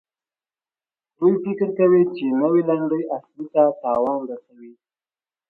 دوی فکر کوي چې نوي لنډۍ اصلي ته تاوان رسوي.